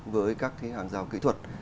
với các hàng rào kỹ thuật